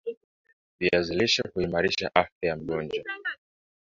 Viazi lishe huimarisha afya ya mgojwa